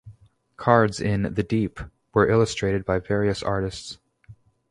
Cards in "The Deep" were illustrated by various artists.